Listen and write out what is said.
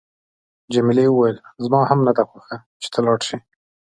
جميلې وويل: زما هم نه ده خوښه چې ته لاړ شې.